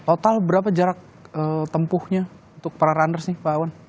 total berapa jarak tempuhnya untuk para runners nih pak awan